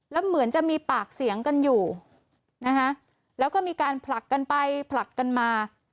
แล้วเหมือนจะมีปากเสียงกันอยู่นะคะแล้วก็มีการผลักกันไปผลักกันมา